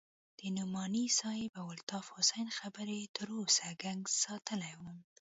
د نعماني صاحب او الطاف حسين خبرې تر اوسه گنگس ساتلى وم.